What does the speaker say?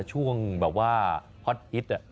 ช่วงแบบว่าฮอตฮิต